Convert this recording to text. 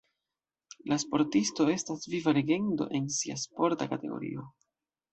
La sportisto estas viva legendo en sia sporta kategorio.